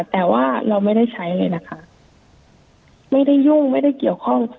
แต่ว่าเราไม่ได้ใช้เลยนะคะไม่ได้ยุ่งไม่ได้เกี่ยวข้อง